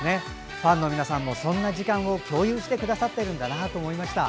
ファンの皆さんもそんな時間を共有してくださってるんだなと思いました。